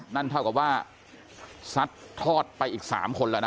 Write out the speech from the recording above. นั่นเท่ากับว่าซัดทอดไปอีก๓คนแล้วนะ